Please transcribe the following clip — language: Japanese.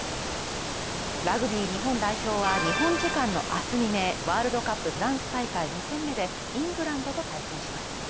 ラグビー日本代表は日本時間の明日未明、ワールドカップ・フランス大会２戦目でイングランドと対戦します。